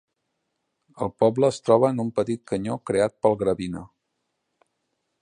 El poble es troba en un petit canyó creat pel Gravina.